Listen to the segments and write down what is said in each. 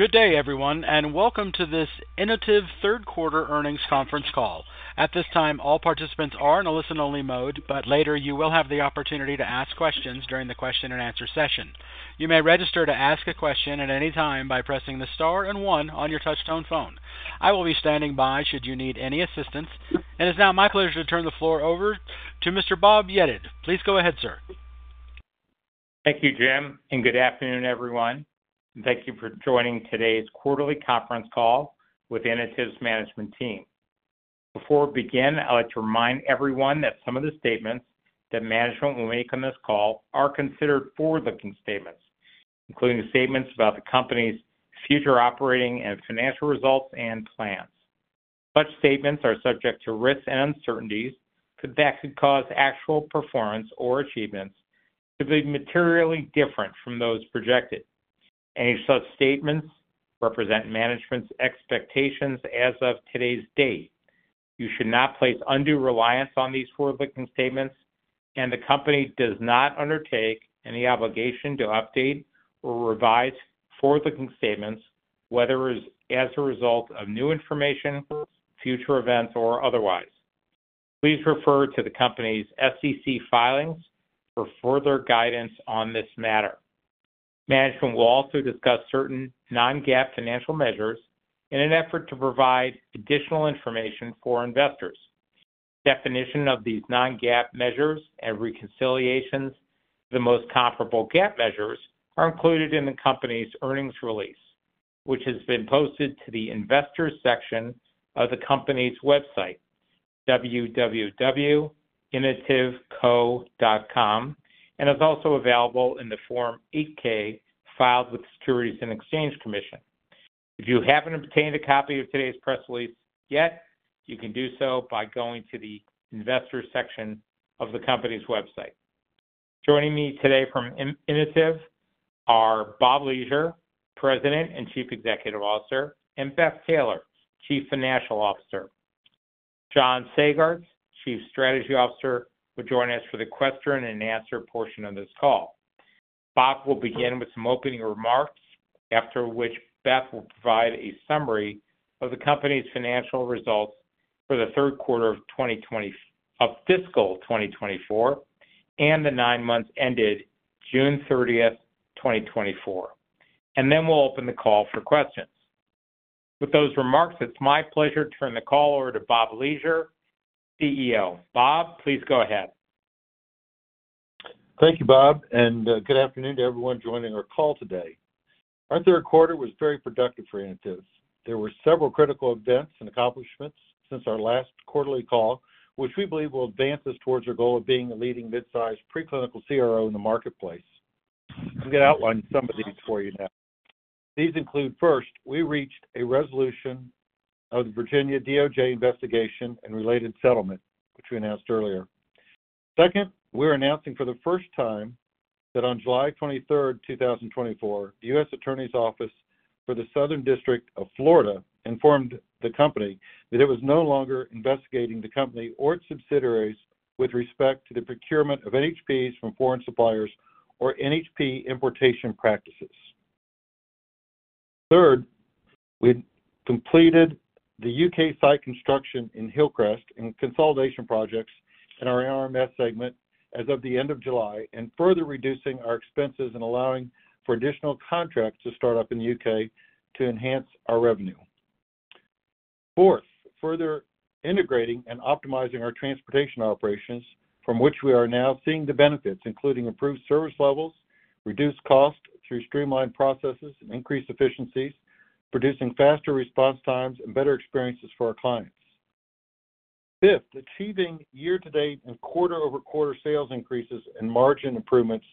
Good day, everyone, and welcome to this Inotiv Third Quarter Earnings Conference Call. At this time, all participants are in a listen-only mode, but later you will have the opportunity to ask questions during the question-and-answer session. You may register to ask a question at any time by pressing the star and one on your touchtone phone. I will be standing by should you need any assistance. It is now my pleasure to turn the floor over to Mr. Bob Yedid. Please go ahead, sir. Thank you, Jim, and good afternoon, everyone. Thank you for joining today's quarterly conference call with Inotiv's management team. Before we begin, I'd like to remind everyone that some of the statements that management will make on this call are considered forward-looking statements, including the statements about the company's future operating and financial results and plans. Such statements are subject to risks and uncertainties that could cause actual performance or achievements to be materially different from those projected. Any such statements represent management's expectations as of today's date. You should not place undue reliance on these forward-looking statements, and the company does not undertake any obligation to update or revise forward-looking statements, whether as a result of new information, future events, or otherwise. Please refer to the company's SEC filings for further guidance on this matter. Management will also discuss certain non-GAAP financial measures in an effort to provide additional information for investors. Definition of these non-GAAP measures and reconciliations to the most comparable GAAP measures are included in the company's earnings release, which has been posted to the Investors section of the company's website, www.inotivco.com, and is also available in the Form 8-K filed with the Securities and Exchange Commission. If you haven't obtained a copy of today's press release yet, you can do so by going to the Investors section of the company's website. Joining me today from Inotiv are Bob Leasure, President and Chief Executive Officer, and Beth Taylor, Chief Financial Officer. John Sagartz, Chief Strategy Officer, will join us for the question-and-answer portion of this call. Bob will begin with some opening remarks, after which Beth will provide a summary of the company's financial results for the third quarter of fiscal 2024 and the nine months ended June 30th, 2024. Then we'll open the call for questions. With those remarks, it's my pleasure to turn the call over to Bob Leasure, CEO. Bob, please go ahead. Thank you, Bob, and good afternoon to everyone joining our call today. Our third quarter was very productive for Inotiv. There were several critical events and accomplishments since our last quarterly call, which we believe will advance us towards our goal of being a leading mid-sized preclinical CRO in the marketplace. I'm going to outline some of these for you now. These include, first, we reached a resolution of the Virginia DOJ investigation and related settlement, which we announced earlier. Second, we're announcing for the first time that on July 23rd, 2024, the U.S. Attorney's Office for the Southern District of Florida informed the company that it was no longer investigating the company or its subsidiaries with respect to the procurement of NHPs from foreign suppliers or NHP importation practices. Third, we completed the U.K. site construction in Hillcrest and consolidation projects in our RMS segment as of the end of July, and further reducing our expenses and allowing for additional contracts to start up in the U.K. to enhance our revenue. Fourth, further integrating and optimizing our transportation operations, from which we are now seeing the benefits, including improved service levels, reduced cost through streamlined processes and increased efficiencies, producing faster response times and better experiences for our clients. Fifth, achieving year-to-date and quarter-over-quarter sales increases and margin improvements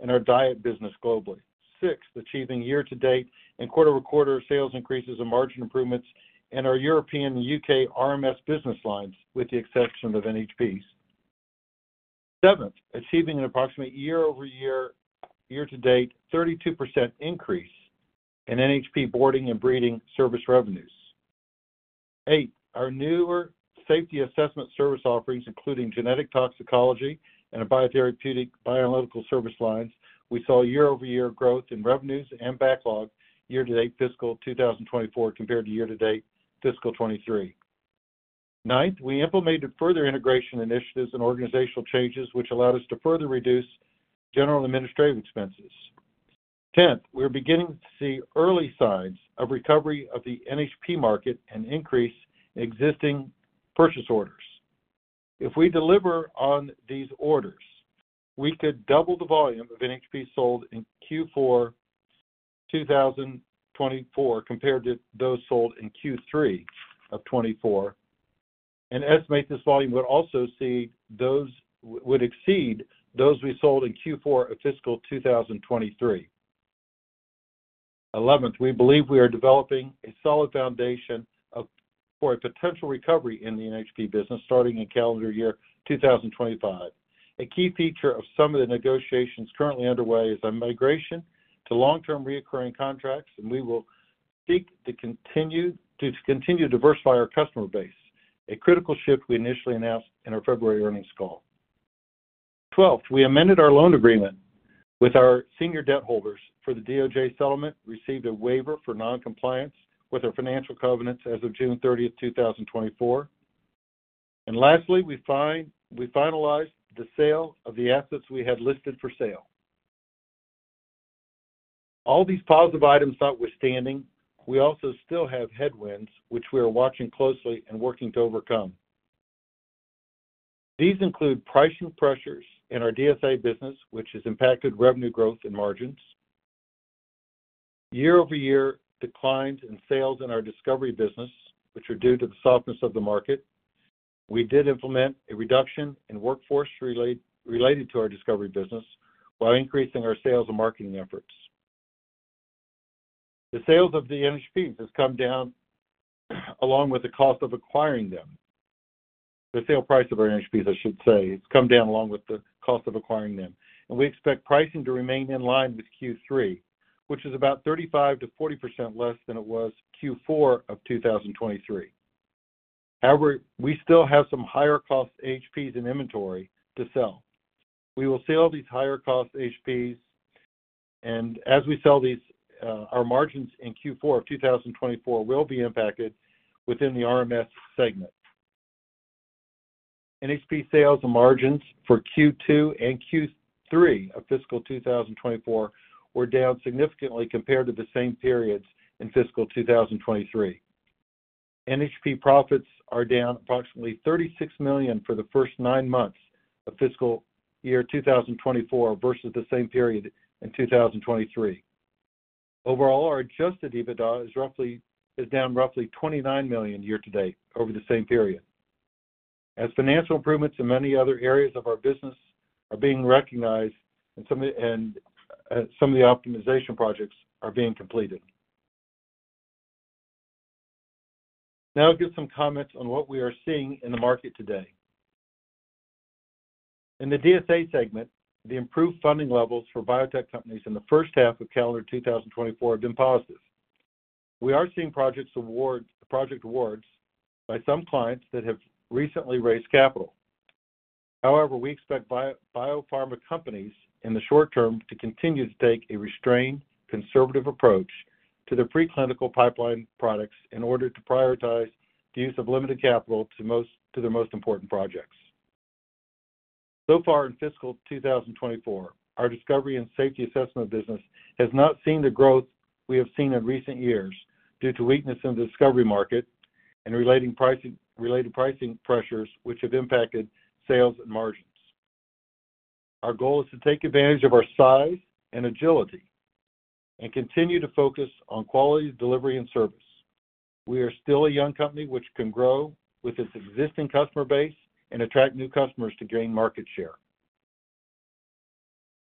in our diet business globally. Sixth, achieving year-to-date and quarter-over-quarter sales increases and margin improvements in our European and U.K. RMS business lines, with the exception of NHPs. Seventh, achieving an approximate year-over-year, year-to-date, 32% increase in NHP boarding and breeding service revenues. Eight, our newer safety assessment service offerings, including genetic toxicology and biotherapeutic analytical service lines, we saw year-over-year growth in revenues and backlog, year-to-date fiscal 2024 compared to year-to-date fiscal 2023. Ninth, we implemented further integration initiatives and organizational changes, which allowed us to further reduce general administrative expenses. 10th, we are beginning to see early signs of recovery of the NHP market and increase in existing purchase orders. If we deliver on these orders, we could double the volume of NHP sold in Q4 2024 compared to those sold in Q3 of 2024, and estimate this volume would also exceed those we sold in Q4 of fiscal 2023. Eleventh, we believe we are developing a solid foundation for a potential recovery in the NHP business starting in calendar year 2025. A key feature of some of the negotiations currently underway is a migration to long-term recurring contracts, and we will seek to continue to diversify our customer base, a critical shift we initially announced in our February earnings call. 12th, we amended our loan agreement with our senior debt holders for the DOJ settlement, received a waiver for non-compliance with our financial covenants as of June 30th, 2024. And lastly, we finalized the sale of the assets we had listed for sale. All these positive items notwithstanding, we also still have headwinds, which we are watching closely and working to overcome. These include pricing pressures in our DSA business, which has impacted revenue growth and margins. Year-over-year declines in sales in our discovery business, which are due to the softness of the market. We did implement a reduction in workforce related to our discovery business while increasing our sales and marketing efforts. The sales of the NHPs has come down along with the cost of acquiring them. The sale price of our NHPs, I should say, has come down along with the cost of acquiring them, and we expect pricing to remain in line with Q3, which is about 35%-40% less than it was Q4 of 2023. However, we still have some higher-cost NHPs in inventory to sell. We will sell these higher-cost NHPs, and as we sell these, our margins in Q4 of 2024 will be impacted within the RMS segment. NHP sales and margins for Q2 and Q3 of fiscal 2024 were down significantly compared to the same periods in fiscal 2023. NHP profits are down approximately $36 million for the first nine months of fiscal year 2024 versus the same period in 2023. Overall, our Adjusted EBITDA is roughly—is down roughly $29 million year to date over the same period, as financial improvements in many other areas of our business are being recognized and some of, and some of the optimization projects are being completed. Now I'll give some comments on what we are seeing in the market today. In the DSA segment, the improved funding levels for biotech companies in the first half of calendar 2024 have been positive. We are seeing projects awards, project awards by some clients that have recently raised capital. However, we expect biopharma companies in the short term to continue to take a restrained, conservative approach to their preclinical pipeline products in order to prioritize the use of limited capital to their most important projects. So far in fiscal 2024, our discovery and safety assessment business has not seen the growth we have seen in recent years due to weakness in the discovery market and related pricing pressures, which have impacted sales and margins. Our goal is to take advantage of our size and agility and continue to focus on quality, delivery, and service. We are still a young company which can grow with its existing customer base and attract new customers to gain market share.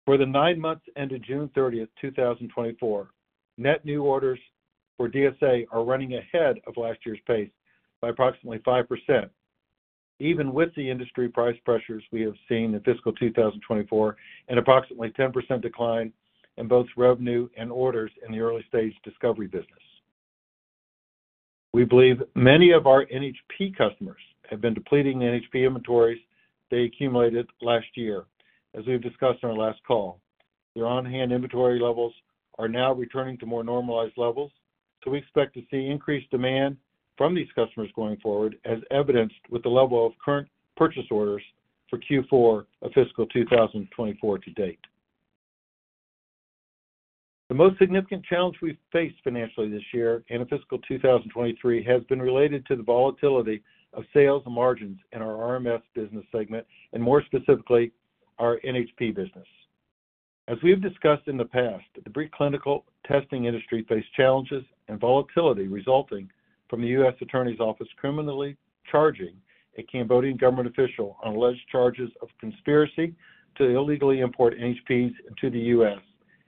For the nine months ended June 30th, 2024, net new orders for DSA are running ahead of last year's pace by approximately 5%, even with the industry price pressures we have seen in fiscal 2024 and approximately 10% decline in both revenue and orders in the early-stage discovery business. We believe many of our NHP customers have been depleting the NHP inventories they accumulated last year, as we have discussed on our last call. Their on-hand inventory levels are now returning to more normalized levels, so we expect to see increased demand from these customers going forward, as evidenced with the level of current purchase orders for Q4 of fiscal 2024 to date. The most significant challenge we've faced financially this year and in fiscal 2023, has been related to the volatility of sales and margins in our RMS business segment, and more specifically, our NHP business. As we have discussed in the past, the preclinical testing industry faced challenges and volatility resulting from the U.S. Attorney's Office criminally charging a Cambodian government official on alleged charges of conspiracy to illegally import NHPs into the U.S.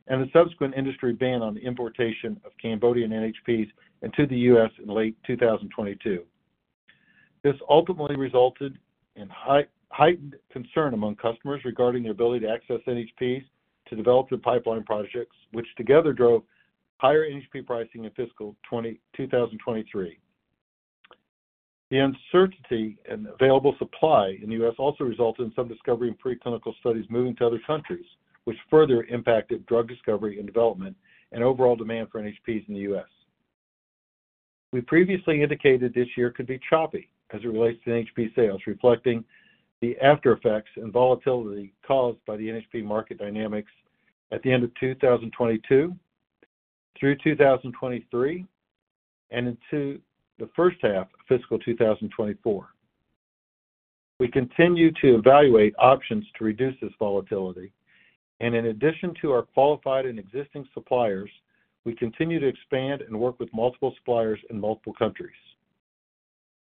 and the subsequent industry ban on the importation of Cambodian NHPs into the U.S. in late 2022. This ultimately resulted in heightened concern among customers regarding their ability to access NHPs to develop their pipeline projects, which together drove higher NHP pricing in fiscal 2023. The uncertainty in available supply in the U.S. also resulted in some discovery and preclinical studies moving to other countries, which further impacted drug discovery and development and overall demand for NHPs in the U.S. We previously indicated this year could be choppy as it relates to NHP sales, reflecting the aftereffects and volatility caused by the NHP market dynamics at the end of 2022, through 2023, and into the first half of fiscal 2024. We continue to evaluate options to reduce this volatility, and in addition to our qualified and existing suppliers, we continue to expand and work with multiple suppliers in multiple countries.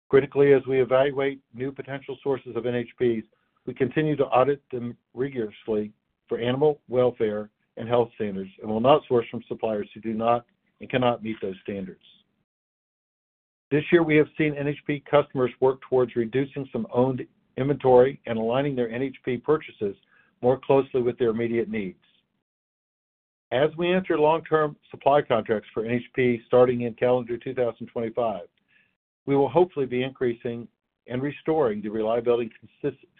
Critically, as we evaluate new potential sources of NHPs, we continue to audit them rigorously for animal welfare and health standards and will not source from suppliers who do not and cannot meet those standards. This year, we have seen NHP customers work towards reducing some owned inventory and aligning their NHP purchases more closely with their immediate needs. As we enter long-term supply contracts for NHP starting in calendar 2025, we will hopefully be increasing and restoring the reliability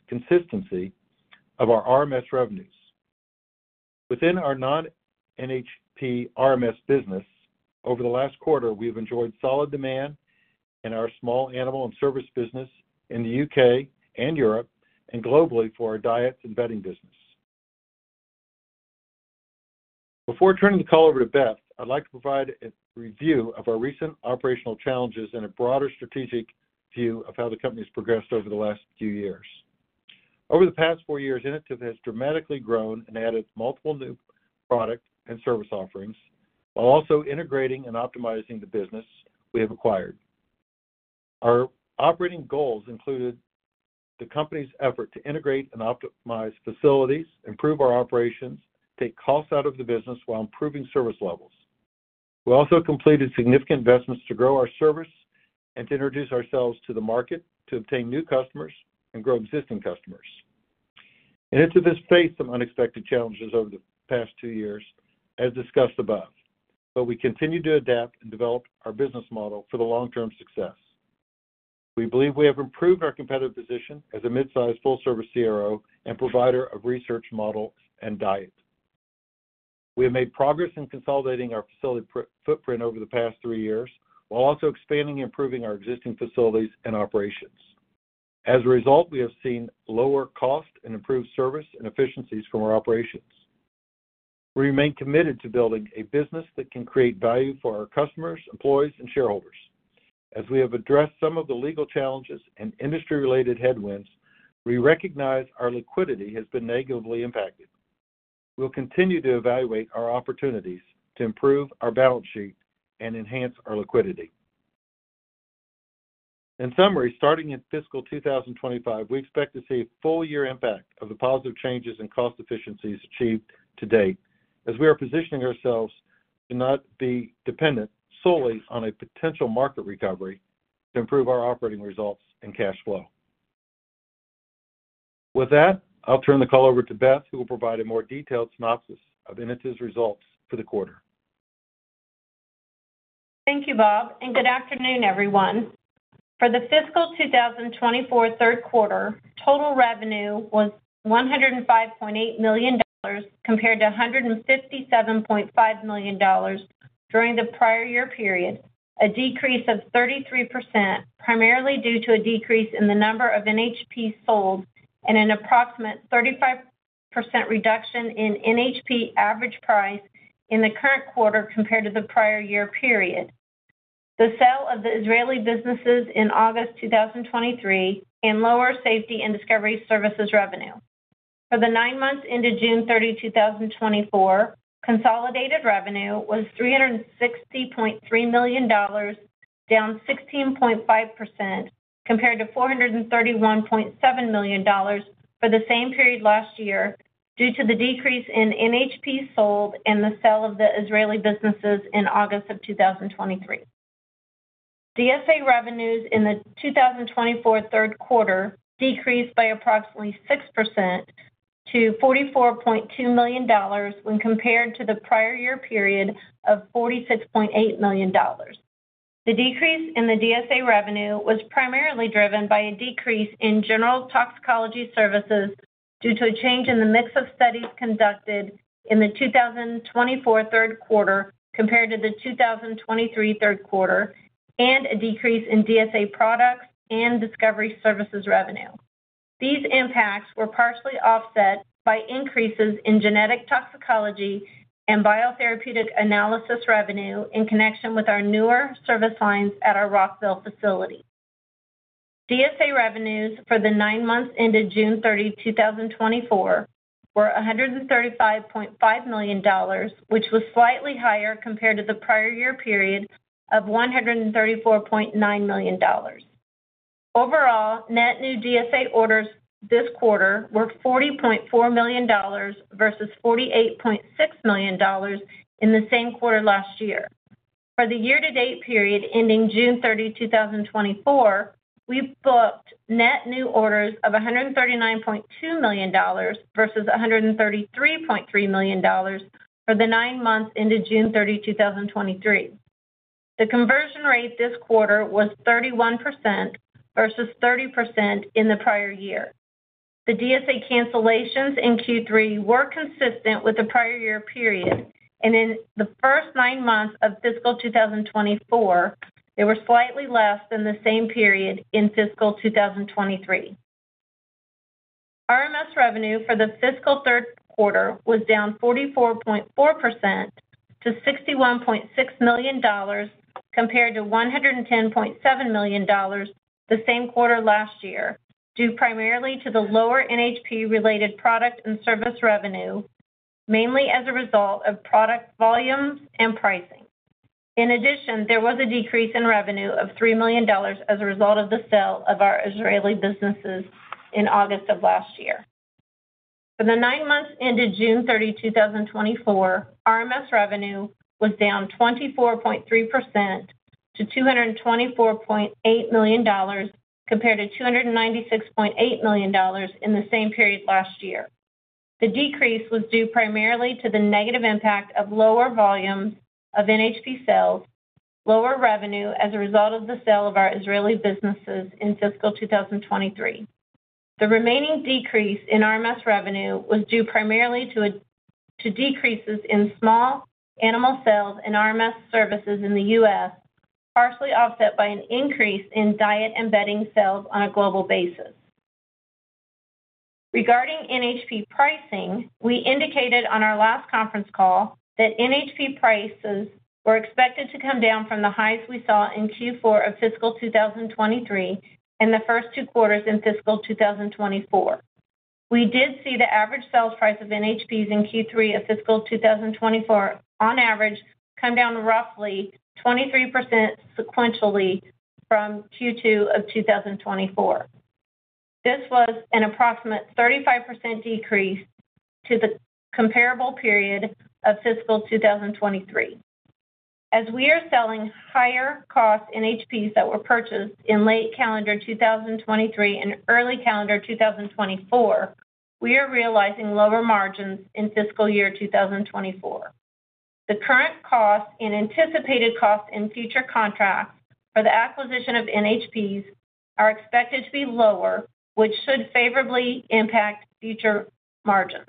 consistency of our RMS revenues. Within our non-NHP RMS business, over the last quarter, we've enjoyed solid demand in our small animal and service business in the U.K. and Europe, and globally for our diets and bedding business. Before turning the call over to Beth, I'd like to provide a review of our recent operational challenges and a broader strategic view of how the company has progressed over the last few years. Over the past four years, Inotiv has dramatically grown and added multiple new product and service offerings, while also integrating and optimizing the business we have acquired. Our operating goals included the company's effort to integrate and optimize facilities, improve our operations, take costs out of the business while improving service levels. We also completed significant investments to grow our service and to introduce ourselves to the market, to obtain new customers and grow existing customers. Inotiv has faced some unexpected challenges over the past two years, as discussed above, but we continue to adapt and develop our business model for the long-term success. We believe we have improved our competitive position as a mid-sized, full-service CRO and provider of research models and diet. We have made progress in consolidating our facility footprint over the past three years, while also expanding and improving our existing facilities and operations. As a result, we have seen lower cost and improved service and efficiencies from our operations. We remain committed to building a business that can create value for our customers, employees, and shareholders. As we have addressed some of the legal challenges and industry-related headwinds, we recognize our liquidity has been negatively impacted. We'll continue to evaluate our opportunities to improve our balance sheet and enhance our liquidity. In summary, starting in fiscal 2025, we expect to see a full year impact of the positive changes and cost efficiencies achieved to date, as we are positioning ourselves to not be dependent solely on a potential market recovery to improve our operating results and cash flow. With that, I'll turn the call over to Beth, who will provide a more detailed synopsis of Inotiv's results for the quarter. Thank you, Bob, and good afternoon, everyone. For the fiscal 2024 third quarter, total revenue was $105.8 million, compared to $157.5 million during the prior year period, a decrease of 33%, primarily due to a decrease in the number of NHP sold and an approximate 35% reduction in NHP average price in the current quarter compared to the prior year period. The sale of the Israeli businesses in August 2023 and lower safety and discovery services revenue. For the nine months ended June 30, 2024, consolidated revenue was $360.3 million, down 16.5% compared to $431.7 million for the same period last year, due to the decrease in NHP sold and the sale of the Israeli businesses in August of 2023. DSA revenues in the 2024 third quarter decreased by approximately 6% to $44.2 million when compared to the prior year period of $46.8 million. The decrease in the DSA revenue was primarily driven by a decrease in general toxicology services due to a change in the mix of studies conducted in the 2024 third quarter compared to the 2023 third quarter, and a decrease in DSA products and discovery services revenue. These impacts were partially offset by increases in genetic toxicology and biotherapeutic analysis revenue in connection with our newer service lines at our Rockville facility. DSA revenues for the nine months ended June 30, 2024, were $135.5 million, which was slightly higher compared to the prior year period of $134.9 million. Overall, net new DSA orders this quarter were $40.4 million versus $48.6 million in the same quarter last year. For the year-to-date period ending June 30, 2024, we booked net new orders of $139.2 million versus $133.3 million for the nine months ended June 30, 2023. The conversion rate this quarter was 31% versus 30% in the prior year. The DSA cancellations in Q3 were consistent with the prior year period, and in the first nine months of fiscal 2024, they were slightly less than the same period in fiscal 2023. RMS revenue for the fiscal third quarter was down 44.4% to $61.6 million, compared to $110.7 million the same quarter last year, due primarily to the lower NHP-related product and service revenue, mainly as a result of product volumes and pricing. In addition, there was a decrease in revenue of $3 million as a result of the sale of our Israeli businesses in August of last year. For the nine months ended June 30, 2024, RMS revenue was down 24.3% to $224.8 million compared to $296.8 million in the same period last year. The decrease was due primarily to the negative impact of lower volumes of NHP sales, lower revenue as a result of the sale of our Israeli businesses in fiscal 2023. The remaining decrease in RMS revenue was due primarily to decreases in small animal sales and RMS services in the U.S., partially offset by an increase in diet and bedding sales on a global basis. Regarding NHP pricing, we indicated on our last conference call that NHP prices were expected to come down from the highs we saw in Q4 of fiscal 2023, and the first two quarters in fiscal 2024. We did see the average sales price of NHPs in Q3 of fiscal 2024, on average, come down roughly 23% sequentially from Q2 of 2024. This was an approximate 35% decrease to the comparable period of fiscal 2023. As we are selling higher cost NHPs that were purchased in late calendar 2023 and early calendar 2024, we are realizing lower margins in fiscal year 2024. The current cost and anticipated cost in future contracts for the acquisition of NHPs are expected to be lower, which should favorably impact future margins.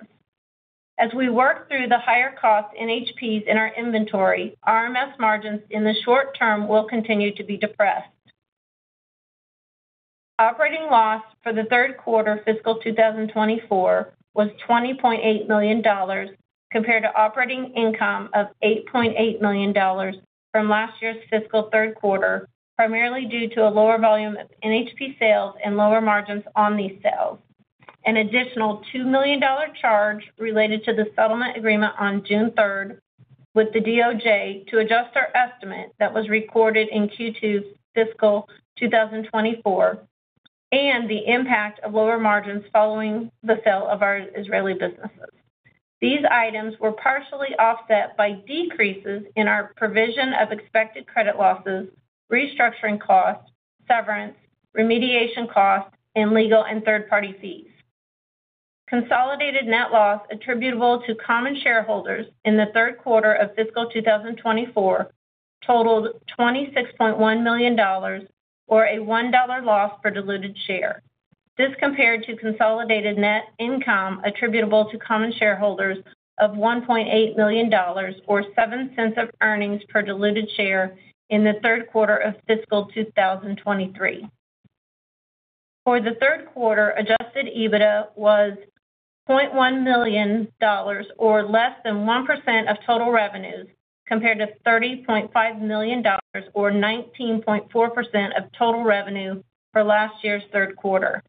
As we work through the higher cost NHPs in our inventory, RMS margins in the short term will continue to be depressed. Operating loss for the third quarter fiscal 2024 was $20.8 million, compared to operating income of $8.8 million from last year's fiscal third quarter, primarily due to a lower volume of NHP sales and lower margins on these sales. An additional $2 million charge related to the settlement agreement on June third with the DOJ to adjust our estimate that was recorded in Q2 fiscal 2024, and the impact of lower margins following the sale of our Israeli businesses. These items were partially offset by decreases in our provision of expected credit losses, restructuring costs, severance, remediation costs, and legal and third-party fees. Consolidated net loss attributable to common shareholders in the third quarter of fiscal 2024 totaled $26.1 million, or $1 loss per diluted share. This compared to consolidated net income attributable to common shareholders of $1.8 million, or $0.07 earnings per diluted share in the third quarter of fiscal 2023. For the third quarter, adjusted EBITDA was $0.1 million, or less than 1% of total revenues, compared to $30.5 million, or 19.4% of total revenue for last year's third quarter.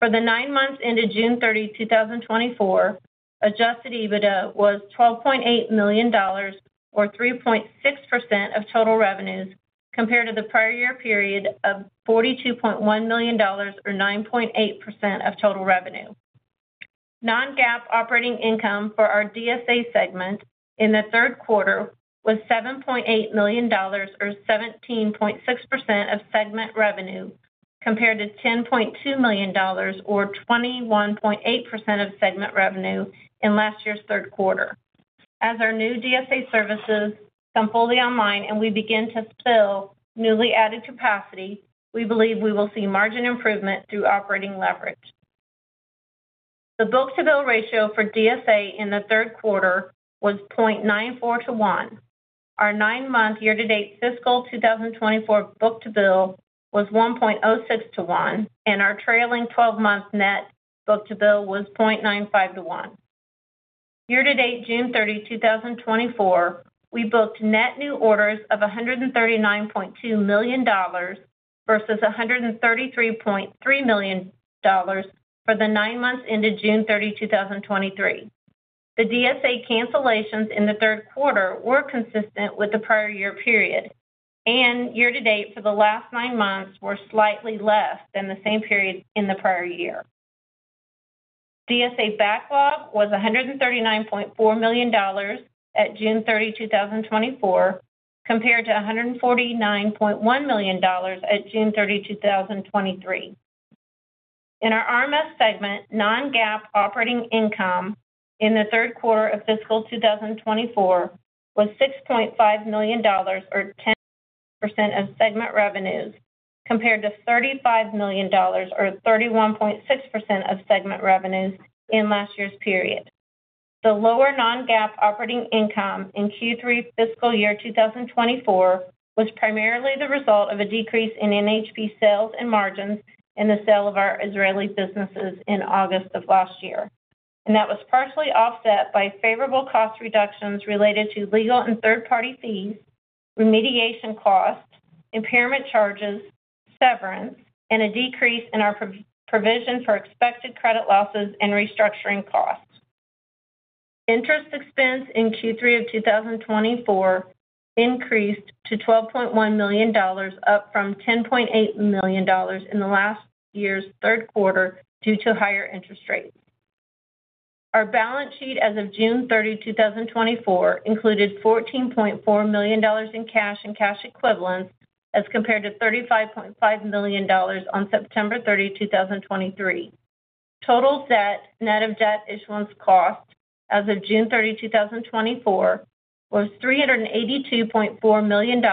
For the nine months ended June 30, 2024, adjusted EBITDA was $12.8 million, or 3.6% of total revenues, compared to the prior year period of $42.1 million, or 9.8% of total revenue. Non-GAAP operating income for our DSA segment in the third quarter was $7.8 million, or 17.6% of segment revenue, compared to $10.2 million, or 21.8% of segment revenue in last year's third quarter. As our new DSA services come fully online and we begin to fill newly added capacity, we believe we will see margin improvement through operating leverage. The book-to-bill ratio for DSA in the third quarter was 0.94 to one. Our nine-month year-to-date fiscal 2024 book-to-bill was 1.06 to one, and our trailing twelve-month net book-to-bill was 0.95 to one. Year-to-date, June 30, 2024, we booked net new orders of $139.2 million versus $133.3 million for the nine months ended June 30, 2023. The DSA cancellations in the third quarter were consistent with the prior year period, and year-to-date for the last nine months were slightly less than the same period in the prior year. DSA backlog was $139.4 million at June 30, 2024, compared to $149.1 million at June 30, 2023. In our RMS segment, non-GAAP operating income in the third quarter of fiscal 2024 was $6.5 million, or 10% of segment revenues, compared to $35 million, or 31.6% of segment revenues in last year's period. The lower non-GAAP operating income in Q3 fiscal year 2024 was primarily the result of a decrease in NHP sales and margins in the sale of our Israeli businesses in August of last year, and that was partially offset by favorable cost reductions related to legal and third-party fees, remediation costs, impairment charges, severance, and a decrease in our provision for expected credit losses and restructuring costs. Interest expense in Q3 of 2024 increased to $12.1 million, up from $10.8 million in the last year's third quarter due to higher interest rates. Our balance sheet as of June 30, 2024, included $14.4 million in cash and cash equivalents as compared to $35.5 million on September 30, 2023. Total debt, net of debt issuance cost as of June 30, 2024, was $382.4 million,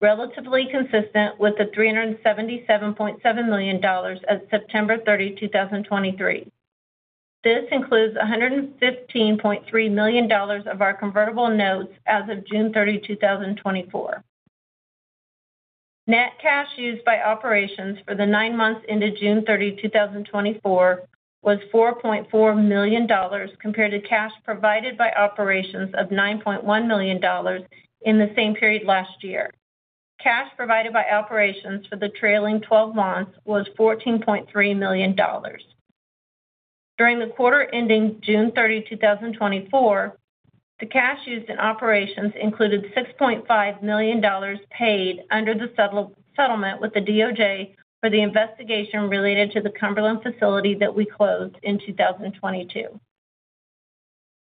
relatively consistent with the $377.7 million as of September 30, 2023. This includes $115.3 million of our convertible notes as of June 30, 2024. Net cash used by operations for the nine months ended June 30, 2024, was $4.4 million, compared to cash provided by operations of $9.1 million in the same period last year. Cash provided by operations for the trailing 12 months was $14.3 million. During the quarter ending June 30, 2024, the cash used in operations included $6.5 million paid under the settlement with the DOJ for the investigation related to the Cumberland facility that we closed in 2022.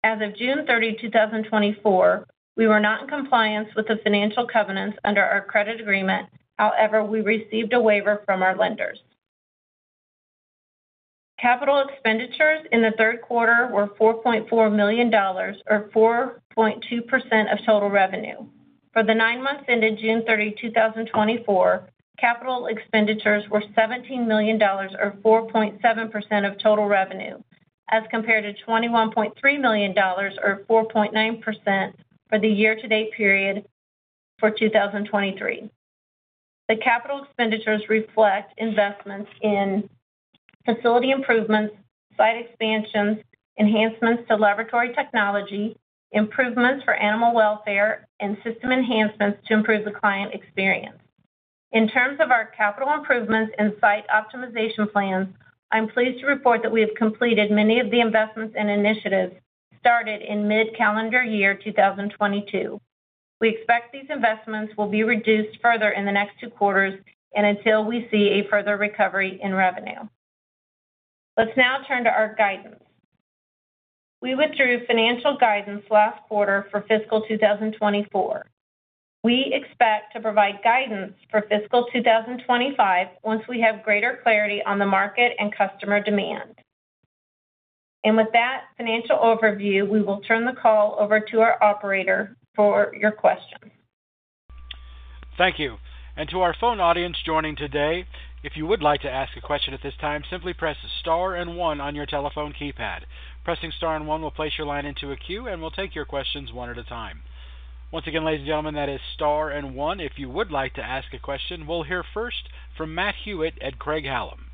As of June 30, 2024, we were not in compliance with the financial covenants under our credit agreement. However, we received a waiver from our lenders. Capital expenditures in the third quarter were $4.4 million, or 4.2% of total revenue. For the nine months ended June 30, 2024, capital expenditures were $17 million, or 4.7% of total revenue, as compared to $21.3 million, or 4.9%, for the year-to-date period for 2023. The capital expenditures reflect investments in facility improvements, site expansions, enhancements to laboratory technology, improvements for animal welfare, and system enhancements to improve the client experience. In terms of our capital improvements and site optimization plans, I'm pleased to report that we have completed many of the investments and initiatives started in mid-calendar year 2022. We expect these investments will be reduced further in the next two quarters and until we see a further recovery in revenue. Let's now turn to our guidance. We withdrew financial guidance last quarter for fiscal 2024. We expect to provide guidance for fiscal 2025, once we have greater clarity on the market and customer demand. With that financial overview, we will turn the call over to our operator for your questions. Thank you. And to our phone audience joining today, if you would like to ask a question at this time, simply press star and one on your telephone keypad. Pressing star and one will place your line into a queue, and we'll take your questions one at a time. Once again, ladies and gentlemen, that is star and one, if you would like to ask a question. We'll hear first from Matt Hewitt at Craig-Hallum.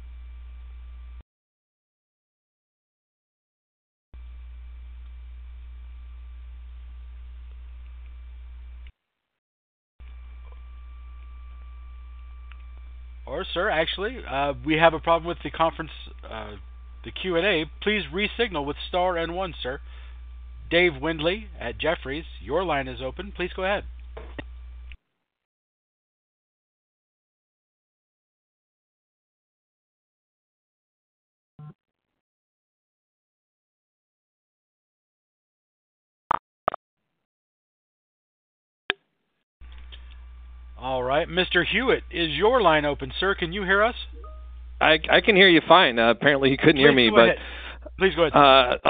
Or, sir, actually, we have a problem with the conference, the Q&A. Please re-signal with Star and One, sir. Dave Windley at Jefferies, your line is open. Please go ahead. All right, Mr. Hewitt, is your line open, sir? Can you hear us? I can hear you fine. Apparently, you couldn't hear me, but. Please go ahead.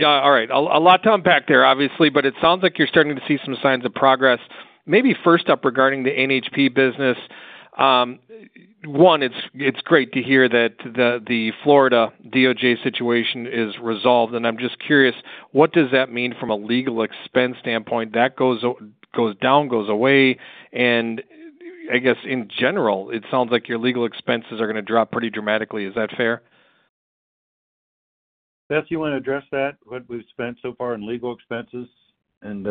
Yeah. All right. A lot to unpack there, obviously, but it sounds like you're starting to see some signs of progress. Maybe first up, regarding the NHP business. It's great to hear that the Florida DOJ situation is resolved, and I'm just curious, what does that mean from a legal expense standpoint? That goes away, and I guess in general, it sounds like your legal expenses are gonna drop pretty dramatically. Is that fair? Beth, you want to address that, what we've spent so far in legal expenses? And,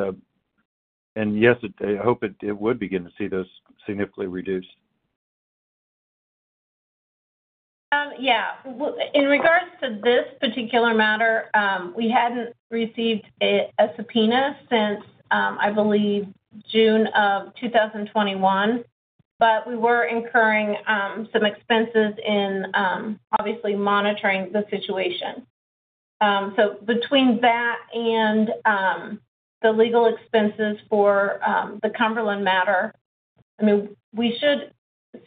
and yes, I hope it, it would begin to see those significantly reduced. Yeah. In regards to this particular matter, we hadn't received a subpoena since, I believe, June of 2021, but we were incurring some expenses in obviously monitoring the situation. So between that and the legal expenses for the Cumberland matter, I mean, we should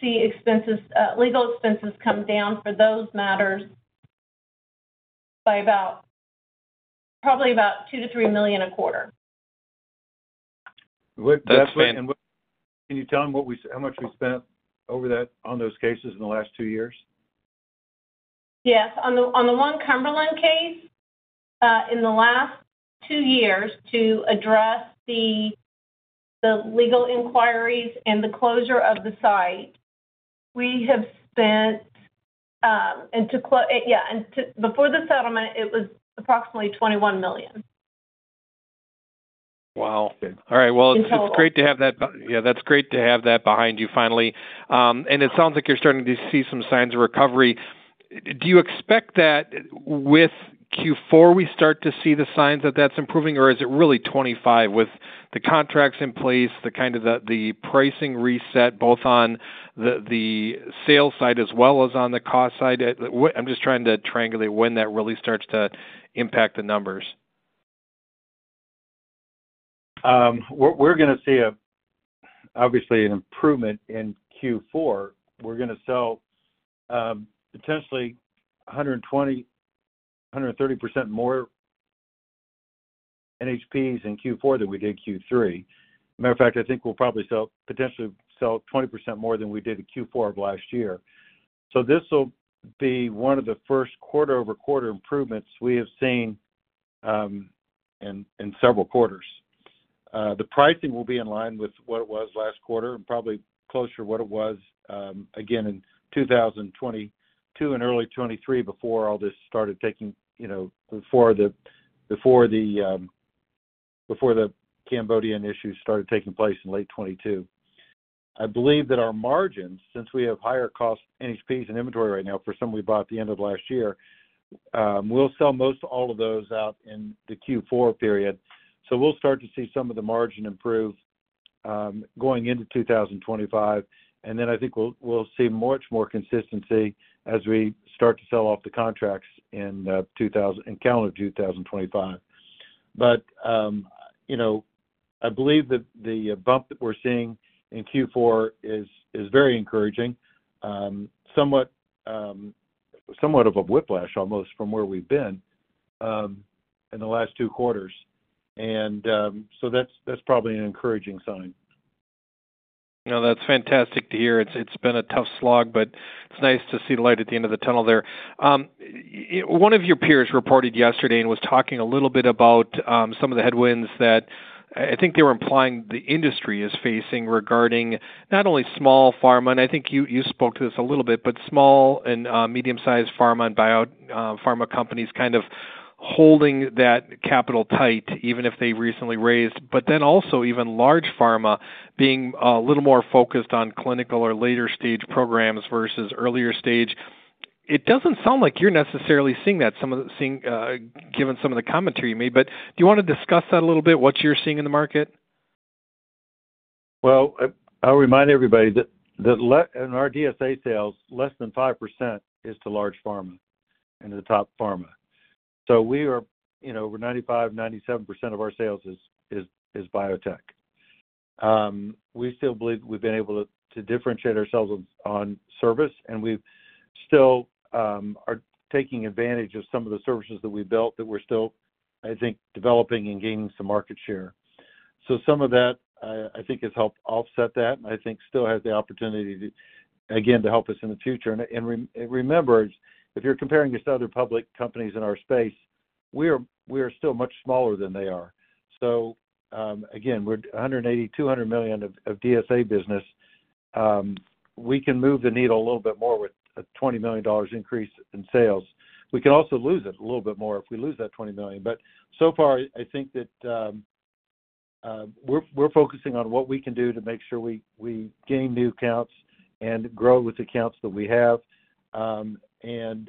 see expenses, legal expenses come down for those matters by about, probably about $2 million-$3 million a quarter. Can you tell him how much we spent over that, on those cases in the last two years? Yes. On the Cumberland case, in the last two years, to address the legal inquiries and the closure of the site, we have spent. Before the settlement, it was approximately $21 million. Wow! Okay. All right. In total. It's great to have that. Yeah, that's great to have that behind you finally. And it sounds like you're starting to see some signs of recovery. Do you expect that with Q4, we start to see the signs that that's improving, or is it really 25 with the contracts in place, the pricing reset, both on the sales side as well as on the cost side? What? I'm just trying to triangulate when that really starts to impact the numbers. We're gonna see a, obviously, an improvement in Q4. We're gonna sell potentially 120%-130% more NHPs in Q4 than we did Q3. Matter of fact, I think we'll probably sell-- potentially sell 20% more than we did in Q4 of last year. So this will be one of the first quarter-over-quarter improvements we have seen in several quarters. The pricing will be in line with what it was last quarter and probably closer to what it was, again, in 2022 and early 2023, before all this started taking, you know, before the Cambodian issue started taking place in late 2022. I believe that our margins, since we have higher cost NHPs in inventory right now for some we bought at the end of last year, we'll sell most all of those out in the Q4 period. So we'll start to see some of the margin improve, going into 2025. And then I think we'll see much more consistency as we start to sell off the contracts in 2025 in calendar 2025. But you know, I believe that the bump that we're seeing in Q4 is very encouraging. Somewhat of a whiplash, almost, from where we've been in the last two quarters. So that's probably an encouraging sign. No, that's fantastic to hear. It's, it's been a tough slog, but it's nice to see the light at the end of the tunnel there. One of your peers reported yesterday and was talking a little bit about some of the headwinds that, I think they were implying the industry is facing regarding not only small pharma, and I think you spoke to this a little bit, but small and medium-sized pharma and bio pharma companies kind of holding that capital tight, even if they recently raised. But then also even large pharma being a little more focused on clinical or later-stage programs versus earlier stage. It doesn't sound like you're necessarily seeing that, some of the seeing, given some of the commentary you made, but do you wanna discuss that a little bit, what you're seeing in the market? Well, I'll remind everybody that in our DSA sales, less than 5% is to large pharma and to the top pharma. So we are, you know, over 95%-97% of our sales is biotech. We still believe we've been able to differentiate ourselves on service, and we still are taking advantage of some of the services that we built that we're still, I think, developing and gaining some market share. So some of that, I think, has helped offset that, and I think still has the opportunity to, again, to help us in the future. And remember, if you're comparing us to other public companies in our space, we are still much smaller than they are. So, again, we're $180 million-$200 million of DSA business. We can move the needle a little bit more with a $20 million increase in sales. We can also lose it a little bit more if we lose that $20 million. But so far, I think that we're focusing on what we can do to make sure we gain new accounts and grow with the accounts that we have. And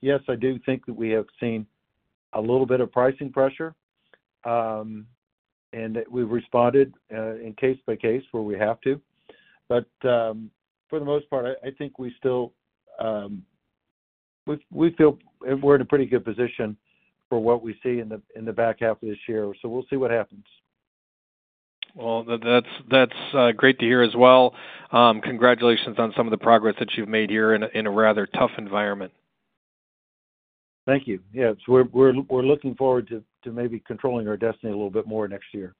yes, I do think that we have seen a little bit of pricing pressure, and that we've responded in case by case where we have to. But for the most part, I think we still feel we're in a pretty good position for what we see in the back half of this year, so we'll see what happens. Well, that's, that's great to hear as well. Congratulations on some of the progress that you've made here in a rather tough environment. Thank you. Yes, we're looking forward to maybe controlling our destiny a little bit more next year.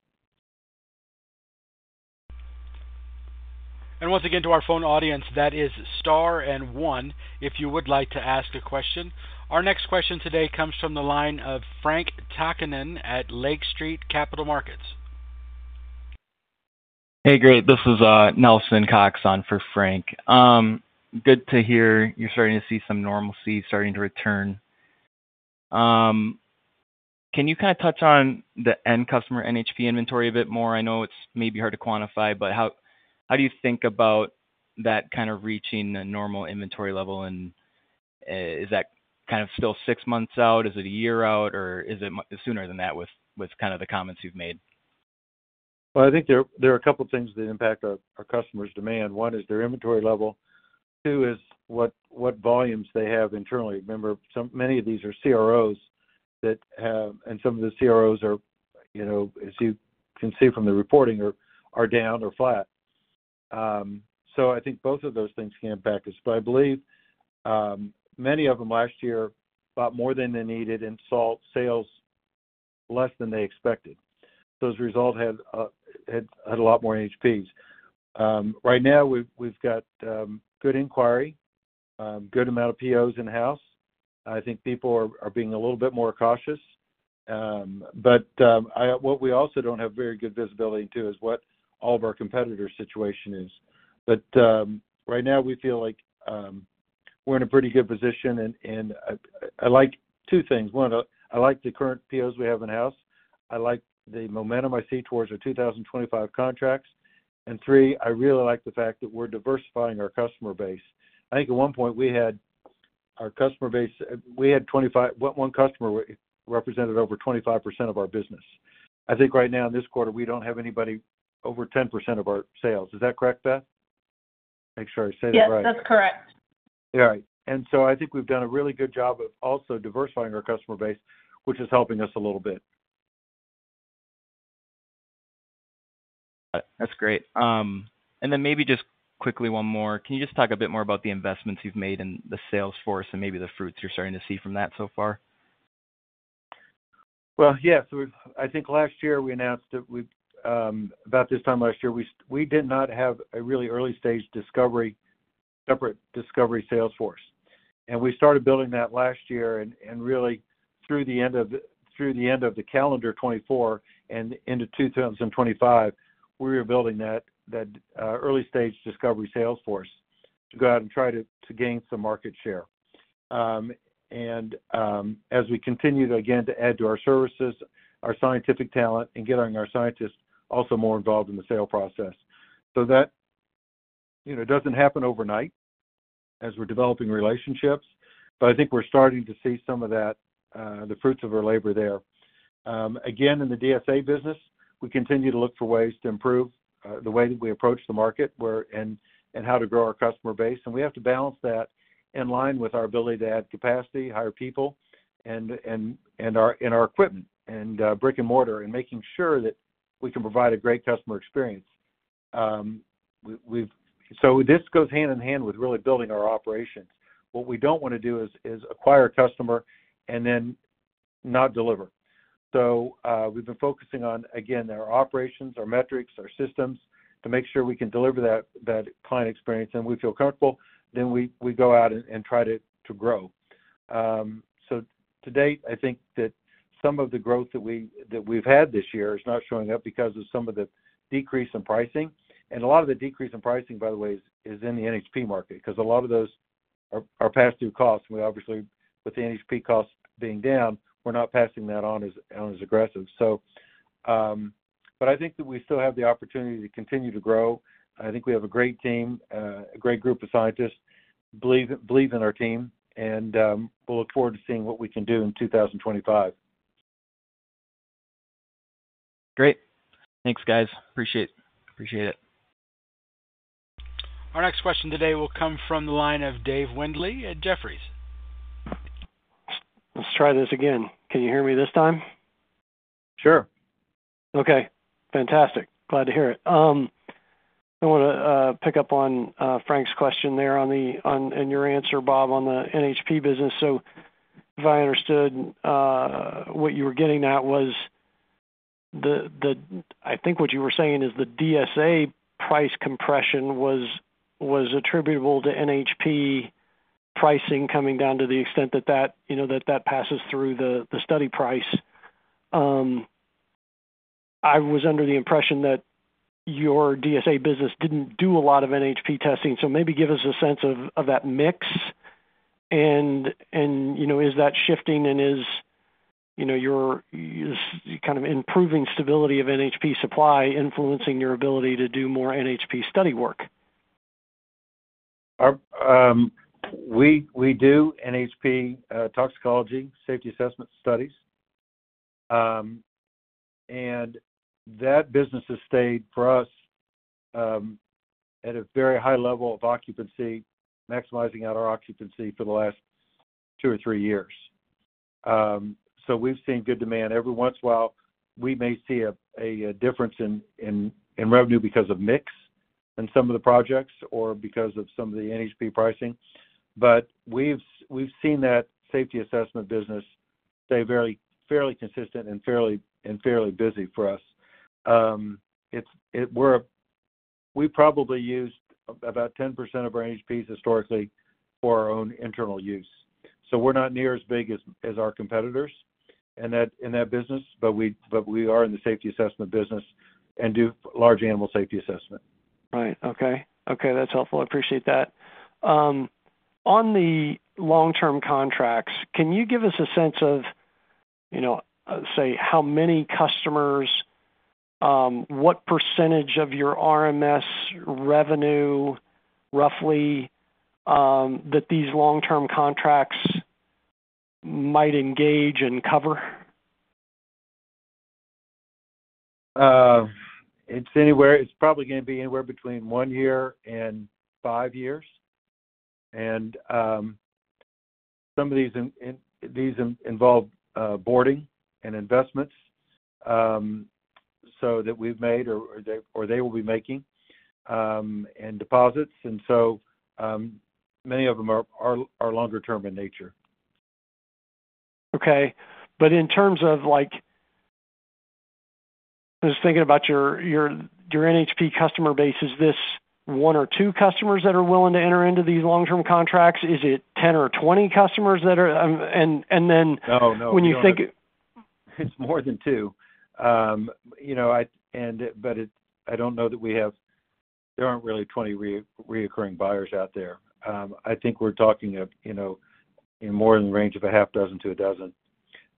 And once again, to our phone audience, that is star and one, if you would like to ask a question. Our next question today comes from the line of Frank Takinen at Lake Street Capital Markets. Hey, great. This is Nelson Cox on for Frank. Good to hear you're starting to see some normalcy starting to return. Can you kind of touch on the end customer NHP inventory a bit more? I know it's maybe hard to quantify, but how do you think about that kind of reaching a normal inventory level, and is that kind of still six months out? Is it a year out, or is it sooner than that, with kind of the comments you've made? Well, I think there are a couple things that impact our customers' demand. One is their inventory level. Two is what volumes they have internally. Remember, some, many of these are CROs that. And some of the CROs are, you know, as you can see from the reporting, are down or flat. So I think both of those things can impact us. But I believe many of them last year bought more than they needed and saw sales less than they expected. Those results had a lot more NHPs. Right now, we've got good inquiry, good amount of POs in-house. I think people are being a little bit more cautious. But what we also don't have very good visibility into is what all of our competitors' situation is. But right now we feel like we're in a pretty good position, and I like two things. One, I like the current POs we have in-house. I like the momentum I see towards our 2025 contracts. And three, I really like the fact that we're diversifying our customer base. I think at one point we had—our customer base, we had 25, one, one customer represented over 25% of our business. I think right now, in this quarter, we don't have anybody over 10% of our sales. Is that correct, Beth? Make sure I say that right. Yes, that's correct. All right. So I think we've done a really good job of also diversifying our customer base, which is helping us a little bit. That's great. And then maybe just quickly, one more. Can you just talk a bit more about the investments you've made in the sales force and maybe the fruits you're starting to see from that so far? Well, yes, we've. I think last year we announced that we, about this time last year, we did not have a really early-stage discovery, separate discovery sales force. And we started building that last year, and really through the end of the calendar 2024 and into 2025, we were building that early-stage discovery sales force to go out and try to gain some market share. And as we continue to, again, add to our services, our scientific talent, and getting our scientists also more involved in the sale process. So that, you know, doesn't happen overnight as we're developing relationships, but I think we're starting to see some of that the fruits of our labor there. Again, in the DSA business, we continue to look for ways to improve the way that we approach the market, where, and how to grow our customer base. And we have to balance that in line with our ability to add capacity, hire people, and our equipment and brick-and-mortar, and making sure that we can provide a great customer experience. We've so this goes hand-in-hand with really building our operations. What we don't wanna do is acquire a customer and then not deliver. So, we've been focusing on, again, our operations, our metrics, our systems, to make sure we can deliver that client experience, and we feel comfortable, then we go out and try to grow. So to date, I think that some of the growth that we've had this year is not showing up because of some of the decrease in pricing. A lot of the decrease in pricing, by the way, is in the NHP market because a lot of those are pass-through costs. We obviously, with the NHP costs being down, we're not passing that on as aggressively. But I think that we still have the opportunity to continue to grow. I think we have a great team, a great group of scientists, believe in our team, and we'll look forward to seeing what we can do in 2025. Great. Thanks, guys. Appreciate, appreciate it. Our next question today will come from the line of Dave Windley at Jefferies. Let's try this again. Can you hear me this time? Sure. Okay, fantastic. Glad to hear it. I wanna pick up on Frank's question there on the and your answer, Bob, on the NHP business. So if I understood what you were getting at was the... I think what you were saying is the DSA price compression was attributable to NHP pricing coming down to the extent that that, you know, that passes through the study price. I was under the impression that your DSA business didn't do a lot of NHP testing, so maybe give us a sense of that mix. And, you know, is that shifting, and is, you know, your kind of improving stability of NHP supply influencing your ability to do more NHP study work? We do NHP toxicology safety assessment studies. That business has stayed for us at a very high level of occupancy, maximizing out our occupancy for the last two or three years. So we've seen good demand. Every once in a while, we may see a difference in revenue because of mix in some of the projects or because of some of the NHP pricing, but we've seen that safety assessment business stay very fairly consistent and fairly busy for us. We probably used about 10% of our NHPs historically for our own internal use. So we're not near as big as our competitors in that business, but we are in the safety assessment business and do large animal safety assessment. Right. Okay. Okay, that's helpful. I appreciate that. On the long-term contracts, can you give us a sense of, you know, say, how many customers, what percentage of your RMS revenue, roughly, that these long-term contracts might engage and cover? It's probably gonna be anywhere between one year and five years. Some of these involve boarding and investments so that we've made or they will be making, and deposits, and so many of them are longer term in nature. Okay. But in terms of, like, I was thinking about your NHP customer base, is this one or two customers that are willing to enter into these long-term contracts? Is it 10 or 20 customers that are, and then- No, no. When you think- It's more than two. You know, but I don't know that we have. There aren't really 20 recurring buyers out there. I think we're talking of, you know, in more in the range of six to 12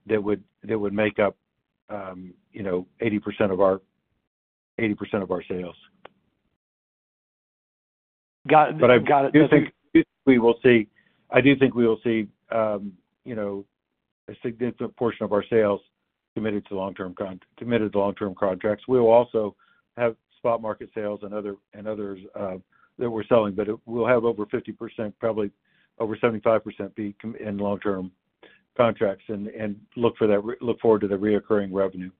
that would make up, you know, 80% of our, 80% of our sales. Got it, got it. But I do think we will see, I do think we will see, you know, a significant portion of our sales committed to long-term contracts. We will also have spot market sales and other, and others that we're selling, but it, we'll have over 50%, probably over 75% committed in long-term contracts and, and look forward to the recurring revenue.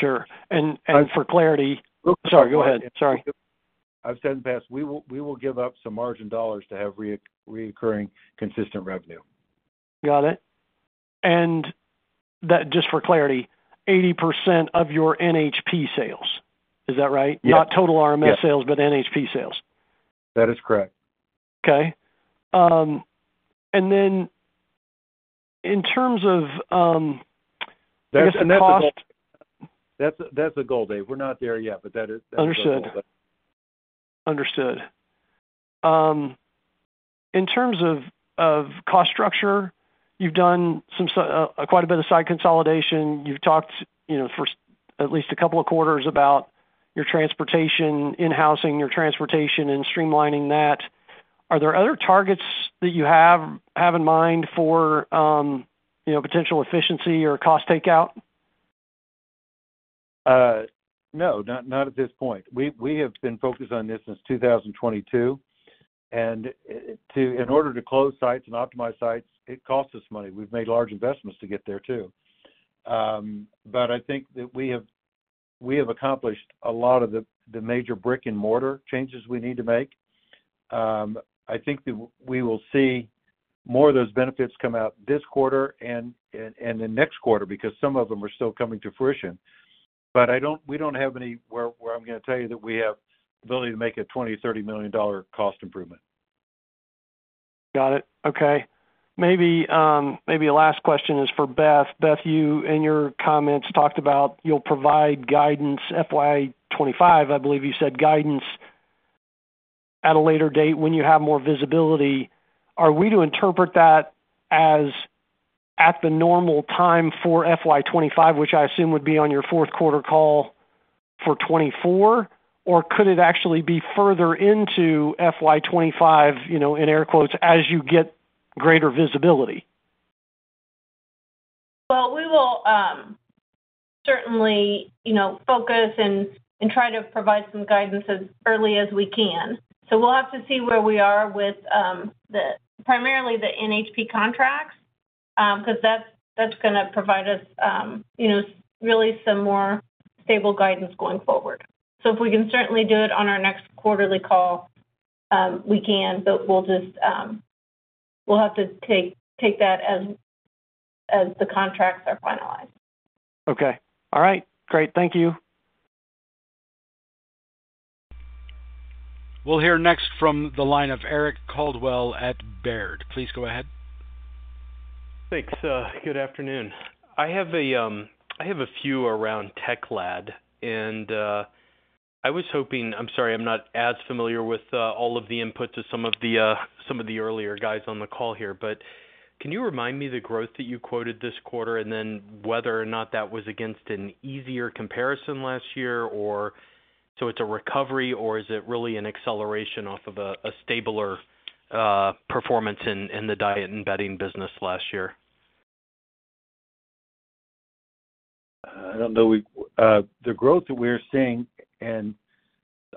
Sure. And for clarity. Oh. Sorry, go ahead. Sorry. I've said in the past, we will give up some margin dollars to have recurring, consistent revenue. Got it. That, just for clarity, 80% of your NHP sales, is that right? Yeah. Not total RMS sales but NHP sales. That is correct. Okay. And then in terms of, I guess the cost. That's, that's the goal, Dave. We're not there yet, but that is, that's the goal. Understood. Understood. In terms of, of cost structure, you've done some, quite a bit of site consolidation. You've talked, you know, for at least a couple of quarters about your transportation, in-housing your transportation and streamlining that. Are there other targets that you have in mind for, you know, potential efficiency or cost takeout? No, not at this point. We have been focused on this since 2022, and in order to close sites and optimize sites, it costs us money. We've made large investments to get there, too. But I think that we have accomplished a lot of the major brick-and-mortar changes we need to make. I think that we will see more of those benefits come out this quarter and the next quarter, because some of them are still coming to fruition. But I don't, we don't have any where I'm gonna tell you that we have the ability to make a $20-$30 million cost improvement. Got it. Okay. Maybe, maybe a last question is for Beth. Beth, you, in your comments, talked about you'll provide guidance, FY 2025, I believe you said, guidance at a later date when you have more visibility. Are we to interpret that as at the normal time for FY 2025, which I assume would be on your fourth quarter call for 2024? Or could it actually be further into FY 2025, you know, in air quotes, "as you get greater visibility? Well, we will certainly, you know, focus and try to provide some guidance as early as we can. So we'll have to see where we are with the primarily the NHP contracts, because that's gonna provide us, you know, really some more stable guidance going forward. So if we can certainly do it on our next quarterly call, we can, but we'll just we'll have to take that as the contracts are finalized. Okay. All right, great. Thank you. We'll hear next from the line of Eric Coldwell at Baird. Please go ahead. Thanks. Good afternoon. I have a few around Teklad, and I was hoping. I'm sorry, I'm not as familiar with all of the inputs as some of the earlier guys on the call here. But can you remind me the growth that you quoted this quarter, and then whether or not that was against an easier comparison last year, or so it's a recovery, or is it really an acceleration off of a stabler performance in the diet and bedding business last year? I don't know, the growth that we're seeing in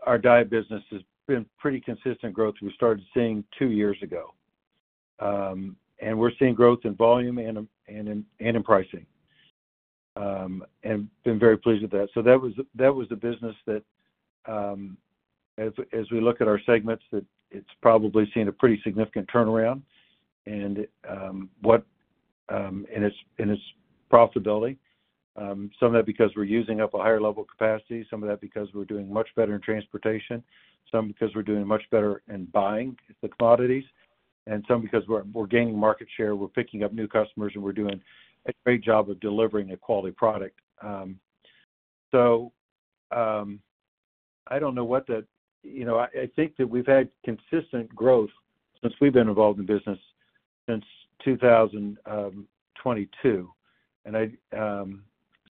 our diet business has been pretty consistent growth we started seeing two years ago. And we're seeing growth in volume and in pricing, and been very pleased with that. So that was the business that, as we look at our segments, that it's probably seen a pretty significant turnaround. And it's profitability, some of that because we're using up a higher level of capacity, some of that because we're doing much better in transportation, some because we're doing much better in buying the commodities, and some because we're gaining market share, we're picking up new customers, and we're doing a great job of delivering a quality product.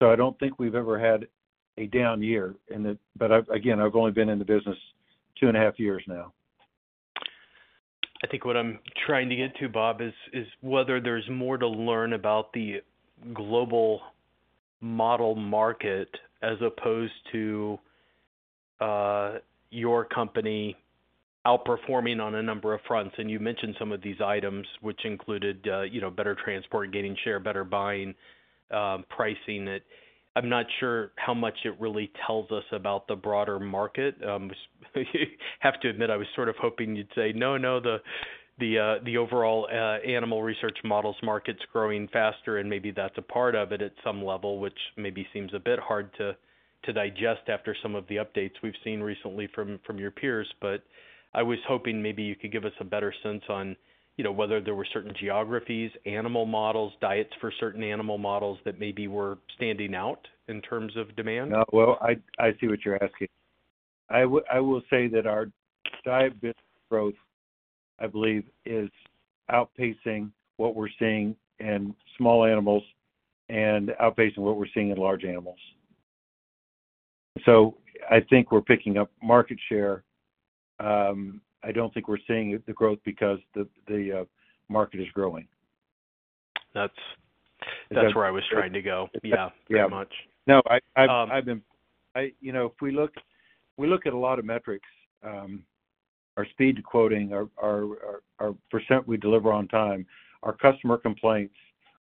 So, I don't know what the. You know, I, I think that we've had consistent growth since we've been involved in business, since 2022. And I, so I don't think we've ever had a down year in it, but I've, again, I've only been in the business two and a half years now. I think what I'm trying to get to, Bob, is whether there's more to learn about the global model market as opposed to your company outperforming on a number of fronts. And you mentioned some of these items, which included you know, better transport, gaining share, better buying, pricing it. I'm not sure how much it really tells us about the broader market. I have to admit, I was sort of hoping you'd say, "No, no, the overall animal research models market's growing faster," and maybe that's a part of it at some level, which maybe seems a bit hard to digest after some of the updates we've seen recently from your peers. But I was hoping maybe you could give us a better sense on, you know, whether there were certain geographies, animal models, diets for certain animal models that maybe were standing out in terms of demand? Well, I see what you're asking. I will say that our diet business growth... I believe, is outpacing what we're seeing in small animals and outpacing what we're seeing in large animals. So I think we're picking up market share. I don't think we're seeing the growth because the market is growing. That's, that's where I was trying to go. Yeah, very much. No, I've been—you know, if we look at a lot of metrics, our speed to quoting, our percent we deliver on time, our customer complaints,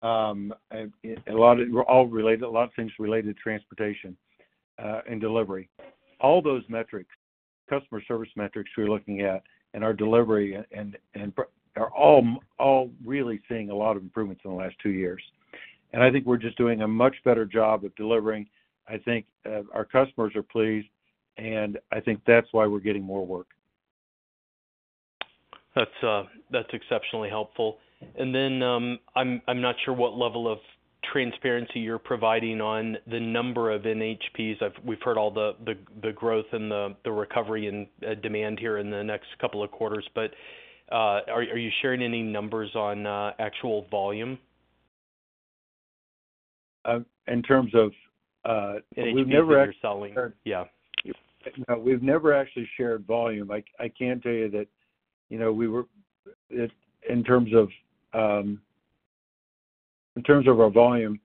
and a lot of it all related, a lot of things related to transportation and delivery. All those metrics, customer service metrics we're looking at and our delivery are all really seeing a lot of improvements in the last two years. And I think we're just doing a much better job of delivering. I think our customers are pleased, and I think that's why we're getting more work. That's, that's exceptionally helpful. And then, I'm not sure what level of transparency you're providing on the number of NHPs. I've—we've heard all the growth and the recovery in demand here in the next couple of quarters. But, are you sharing any numbers on actual volume? In terms of, we've never- You're selling? Yeah. No, we've never actually shared volume. I can tell you that, you know, we were in terms of our volume,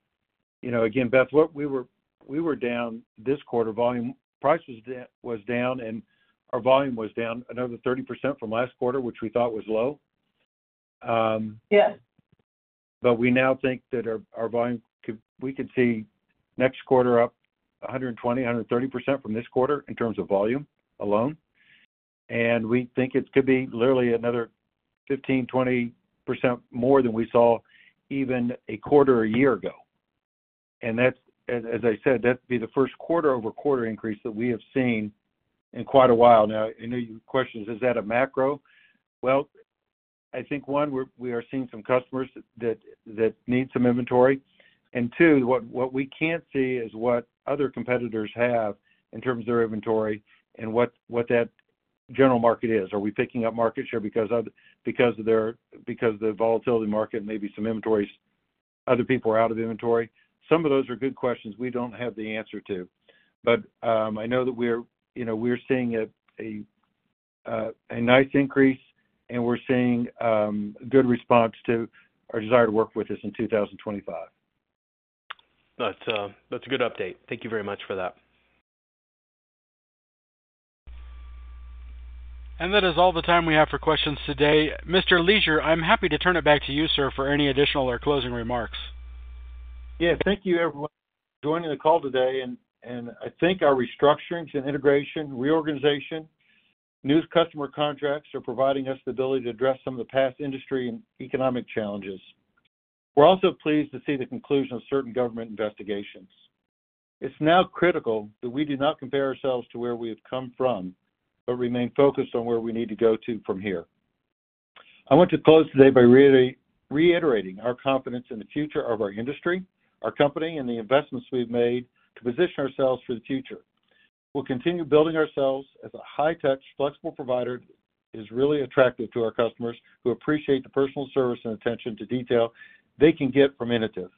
you know, again, Beth, what we were, we were down this quarter, volume. Price was down, and our volume was down another 30% from last quarter, which we thought was low. Yes. But we now think that our volume could. We could see next quarter up 120%-130% from this quarter in terms of volume alone. And we think it could be literally another 15%-20% more than we saw even a quarter a year ago. And that's, as I said, that'd be the first quarter-over-quarter increase that we have seen in quite a while now. I know your question is, is that a macro? Well, I think, one, we are seeing some customers that need some inventory. And two, what we can't see is what other competitors have in terms of their inventory and what that general market is. Are we picking up market share because of, because of their volatile market, maybe some inventories, other people are out of the inventory? Some of those are good questions we don't have the answer to, but I know that we're, you know, we're seeing a nice increase, and we're seeing good response to our desire to work with us in 2025. That's, that's a good update. Thank you very much for that. That is all the time we have for questions today. Mr. Leasure, I'm happy to turn it back to you, sir, for any additional or closing remarks. Yeah, thank you, everyone, for joining the call today. And I think our restructurings and integration, reorganization, new customer contracts are providing us the ability to address some of the past industry and economic challenges. We're also pleased to see the conclusion of certain government investigations. It's now critical that we do not compare ourselves to where we have come from, but remain focused on where we need to go to from here. I want to close today by really reiterating our confidence in the future of our industry, our company, and the investments we've made to position ourselves for the future. We'll continue building ourselves as a high-touch, flexible provider that is really attractive to our customers, who appreciate the personal service and attention to detail they can get from Inotiv.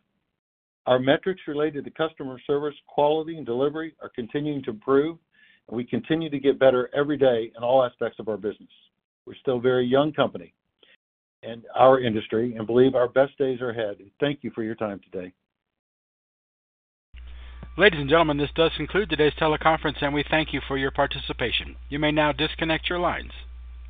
Our metrics related to customer service, quality, and delivery are continuing to improve, and we continue to get better every day in all aspects of our business. We're still a very young company in our industry and believe our best days are ahead. Thank you for your time today. Ladies and gentlemen, this does conclude today's teleconference, and we thank you for your participation. You may now disconnect your lines.